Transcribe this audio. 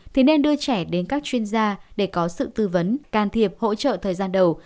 thì nên đưa trẻ đến các chuyên gia để có sự tư vấn can thiệp hỗ trợ thời gian đầu